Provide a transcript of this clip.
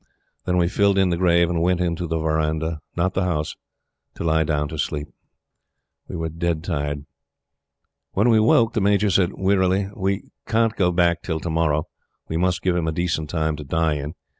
Then we filled in the grave and went into the verandah not the house to lie down to sleep. We were dead tired. When we woke the Major said, wearily: "We can't go back till to morrow. We must give him a decent time to die in.